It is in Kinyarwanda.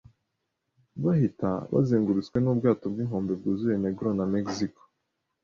bahita bazengurutswe nubwato bwinkombe bwuzuye Negro na Mexico